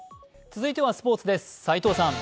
続いてはスポーツです。